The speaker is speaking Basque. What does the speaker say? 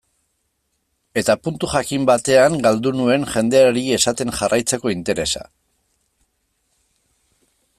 Eta puntu jakin batean galdu nuen jendeari esaten jarraitzeko interesa.